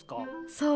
そう。